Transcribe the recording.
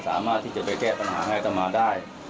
สามารถที่จะไปแก้ปัญหาให้อัตมาได้